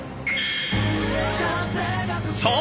そう！